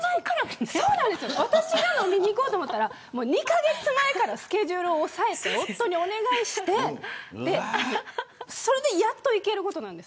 私が飲みに行こうと思ったら２カ月前からスケジュールを押さえて夫にお願いしてそれでやっと行けることなんです。